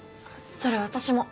それ私も。